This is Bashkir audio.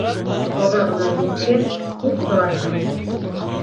Аҙағына еткәс —туҡтарһың!